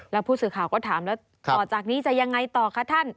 แล้วผู้สื่อข่าวก็ถามแล้วต่อจากนี้จะยังไงต่อคะท่าน